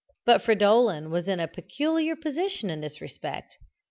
But Fridolin was in a peculiar position in this respect.